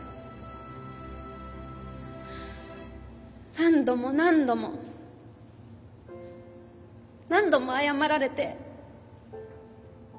何度も何度も何度も謝られて。